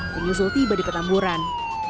menyusul tiba di petamburan